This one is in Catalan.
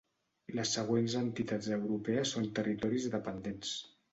Les següents entitats europees són territoris dependents.